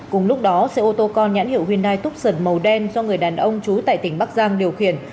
cùng lúc đó xe ô tô con nhãn hiệu hyundai túc sưởng màu đen do người đàn ông trú tại tỉnh bắc giang điều khiển